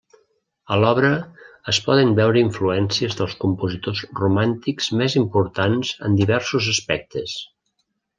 A l'obra es poden veure influències dels compositors romàntics més importants en diversos aspectes.